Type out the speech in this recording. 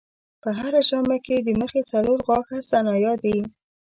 په هره ژامه کې د مخې څلور غاښه ثنایا دي.